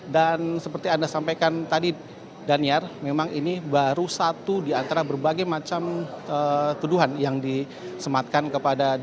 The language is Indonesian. dan seperti anda sampaikan tadi daniar memang ini baru satu di antara berbagai macam tuduhan yang disematkan kepada